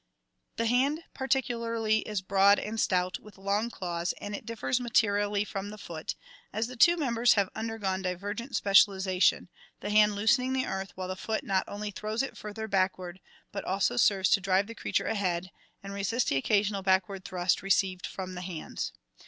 The hand particularly is broad and stout, with long claws, and it differs materially from the foot, as the two members have under gone divergent specialization, the hand loosening the earth while the foot not onlv throws it further backward but also serves to drive the creature ahead and resists the occasional backward thrust received from the hands.